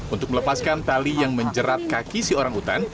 untuk melepaskan tali yang menjerat kaki si orang utan